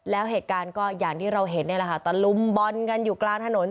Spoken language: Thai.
แล้วเหตุการณ์ก็อย่างที่เราเห็นนี่แหละค่ะตะลุมบอลกันอยู่กลางถนน